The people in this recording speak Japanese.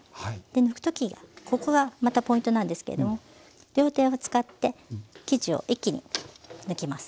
抜くときがここがまたポイントなんですけれども両手を使って生地を一気に抜きます。